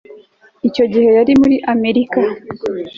icyo gihe yari muri amerika